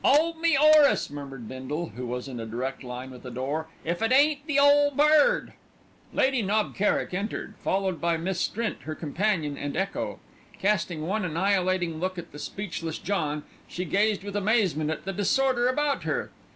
"'Old me, 'Orace!" murmured Bindle, who was in a direct line with the door, "if it ain't the Ole Bird!" Lady Knob Kerrick entered, followed by Miss Strint, her companion and echo. Casting one annihilating look at the speechless John, she gazed with amazement at the disorder about her.